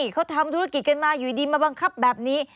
เขาทำธุรกิจกันมาอยู่ดีมาบังคับแบบนี้